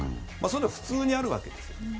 そういうのは普通にあるわけです。